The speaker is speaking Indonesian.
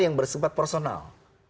yang bersempat personal